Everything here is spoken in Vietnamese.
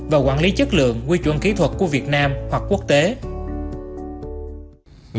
và quản lý chất lượng quy chuẩn kỹ thuật của việt nam hoặc quốc tế